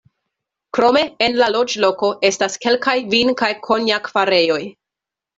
Krome, en la loĝloko estas kelkaj vin- kaj konjak-farejoj.